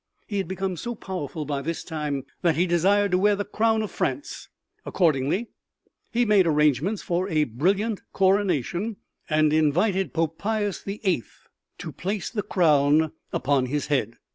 He had become so powerful by this time that he desired to wear the crown of France. Accordingly he made arrangements for a brilliant coronation and invited Pope Pius the Eighth to place the crown upon his head.